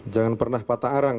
jangan pernah patah arang